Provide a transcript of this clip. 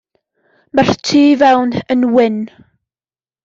Mae'r tu fewn yn wyn.